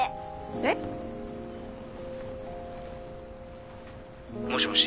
えっ？もしもし。